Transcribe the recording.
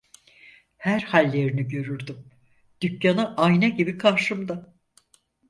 Her hallerini görürdüm; dükkanı ayna gibi karşımda…